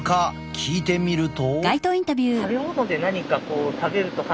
聞いてみると。